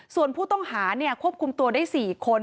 ส่วนผู้ต้องหาเนี่ยควบคุมตัวได้สี่คน